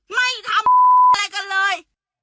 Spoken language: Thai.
ไม่ทำอะไรกันเลย